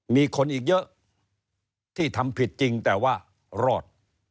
มีคนอีกเยอะที่ทำผิดจริงแต่ว่ารอด